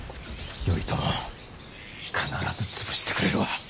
頼朝必ず潰してくれるわ。